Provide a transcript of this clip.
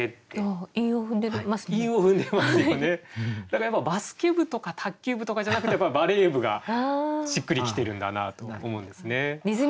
だからやっぱバスケ部とか卓球部とかじゃなくてバレー部がしっくり来てるんだなと思うんですね。